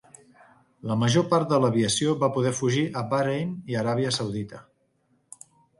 La major part de l'aviació va poder fugir a Bahrain i Aràbia Saudita.